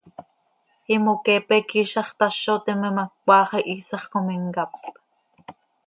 Imoqueepe quih iizax tazo teme ma, cmaax ihiisax com imcáp.